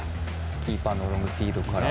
キーパーのロングフィードから。